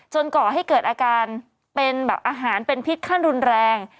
ก่อให้เกิดอาการเป็นแบบอาหารเป็นพิษขั้นรุนแรง